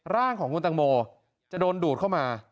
ร่างของคุณตังโมจะโดนดูดเข้ามา